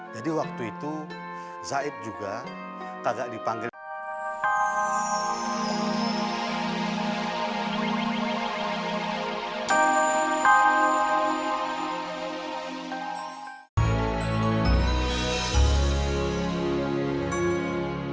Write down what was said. jadi waktu itu zaid juga tidak dipanggil anak anak